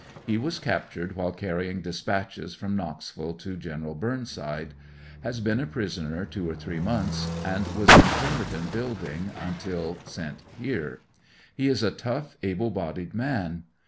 He was captured while carrying dispatches from Knoxville to Gen Burnside, Has been a prisoner two or three months, and was in Pemerton Biiildiuir un til sent here. He is a tough, able bodied man.